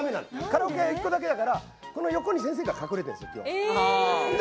カラオケ屋一個だけだからこの横に先生が隠れてるんですよ基本。